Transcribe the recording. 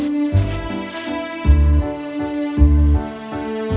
oh aku senang kamu menyebutkannya